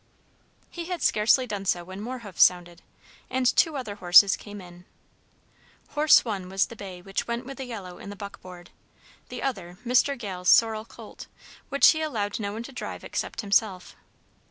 He had scarcely done so when more hoofs sounded, and two other horses came in. Horse one was the bay which went with the yellow in the buckboard, the other Mr. Gale's sorrel colt, which he allowed no one to drive except himself.